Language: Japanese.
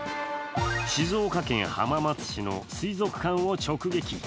静岡県浜松市の水族館を直撃。